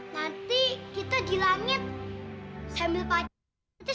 nanti kita di langit sambil padat